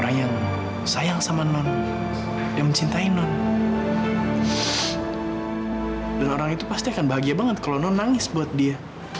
gak apa apa malah jadi olahraga udah lama juga gak olahraga saya